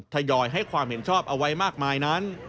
ทยอยให้ความเห็นชอบเอาไว้มากมายนั้น